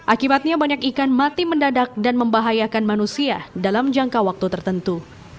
akibatnya banyak ikan mati mendadak dan membahayakan manusia dalam jangka waktu tertentu